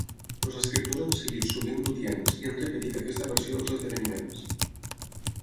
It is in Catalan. Els escriptors han seguit sovint Lutyens i han repetit aquesta versió dels esdeveniments.